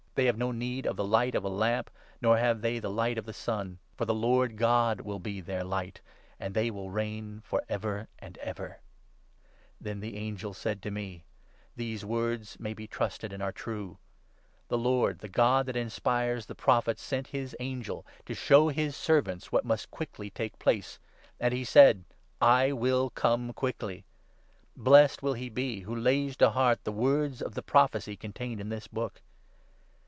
5 They have no need of the light of a lamp, nor have they the light of the sun ; for the ' Lord God will be their light, and they will reign for ever and ever.' VI II. — CONCLUSION. Then the angel said to me —' These words may be trusted 6 and are true. The Lord, the God that inspires the Prophets, sent his angel to show his servants what must quickly take place ; and he said " I will come quickly." Blessed will he 7 be who lays to heart the words of the prophecy contained in this book.'